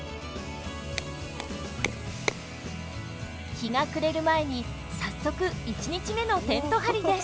日が暮れる前に早速一日目のテント張りです。